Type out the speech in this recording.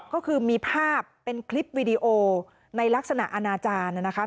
ก็คือมีภาพเป็นคลิปวีดีโอในลักษณะอนาจารย์นะครับ